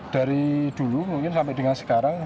dari dulu mungkin sampai dengan sekarang